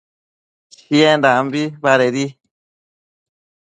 Chiendambi badedi